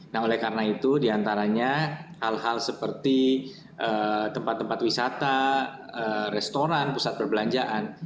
nah oleh karena itu diantaranya hal hal seperti tempat tempat wisata restoran pusat perbelanjaan